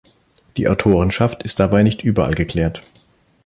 Die Autorenschaft ist dabei nicht überall geklärt.